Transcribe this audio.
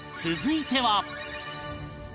続いては